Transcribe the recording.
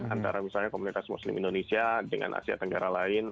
antara misalnya komunitas muslim indonesia dengan asia tenggara lain